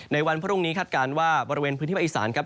วันพรุ่งนี้คาดการณ์ว่าบริเวณพื้นที่ภาคอีสานครับ